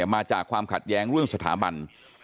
มาจากความขัดแย้งเรื่องสถาบัน